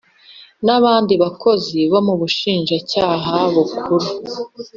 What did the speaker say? N abandi bakozi bo mu bushinjacyaha bukuru